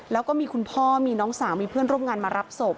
แล้วก็มีคุณพ่อมีน้องสาวมีเพื่อนร่วมงานมารับศพ